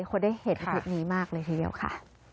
คนได้เห็นคลิปนี้มากเลยทีเดียวค่ะ